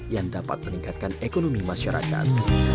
yang dapat meningkatkan ekonomi masyarakat